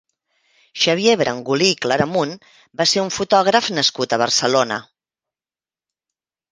Xavier Brangulí i Claramunt va ser un fotògraf nascut a Barcelona.